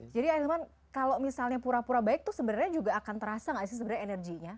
jadi ahilman kalau misalnya pura pura baik tuh sebenarnya juga akan terasa nggak sih sebenarnya energinya